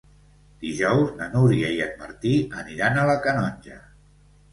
Dijous na Núria i en Martí aniran a la Canonja.